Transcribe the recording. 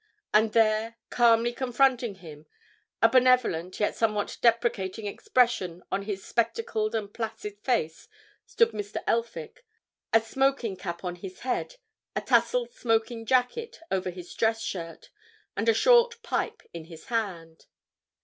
And there, calmly confronting him, a benevolent, yet somewhat deprecating expression on his spectacled and placid face, stood Mr. Elphick, a smoking cap on his head, a tasseled smoking jacket over his dress shirt, and a short pipe in his hand.